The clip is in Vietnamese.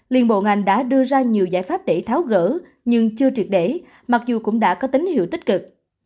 liên bộ ngành đã đưa ra nhiều giải pháp để tháo gỡ nhưng chưa triệt để mặc dù cũng đã có tín hiệu tích cực